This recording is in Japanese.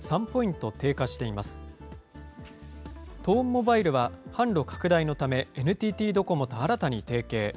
トーンモバイルは販路拡大のため、ＮＴＴドコモと新たに提携。